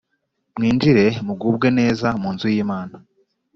Mwinjire mugubwe neza munzu yimana